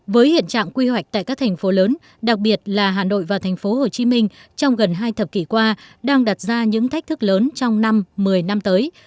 với hiện trạng quy hoạch tại các thành phố lớn đặc biệt là hà nội và thành phố hồ chí minh trong gần hai thập kỷ qua đang đặt ra những thách thức lớn trong năm mười năm tới